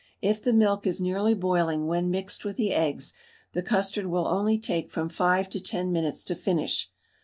If the milk is nearly boiling when mixed with the eggs, the custard will only take from 5 to 10 minutes to finish.